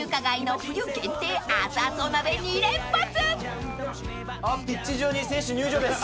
あっピッチ上に選手入場です。